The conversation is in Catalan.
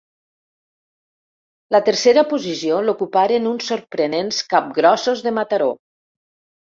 La tercera posició l'ocuparen uns sorprenents Capgrossos de Mataró.